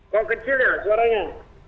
kok kecil ya suaranya